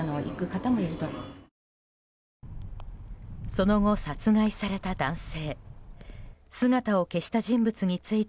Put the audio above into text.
その後、殺害された男性。